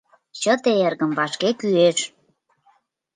Чыте, эргым, вашке кӱэш.